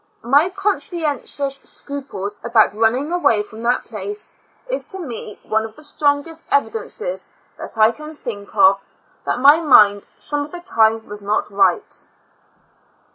My conscientious scruples about running away from that place, is to me one of the strongest evidences that I can think of, that my mind, some of the time, was not right.